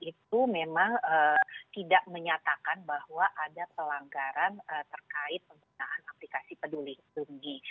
itu memang tidak menyatakan bahwa ada pelanggaran terkait penggunaan aplikasi peduli lindungi